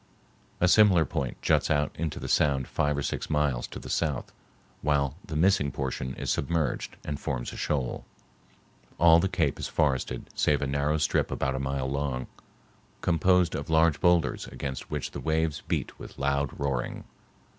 A similar point juts out into the sound five or six miles to the south, while the missing portion is submerged and forms a shoal. All the cape is forested save a narrow strip about a mile long, composed of large boulders against which the waves beat with loud roaring.